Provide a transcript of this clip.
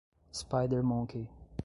spidermonkey